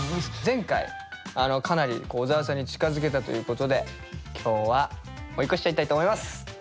前回かなり小沢さんに近づけたということで今日は追い越しちゃいたいと思います。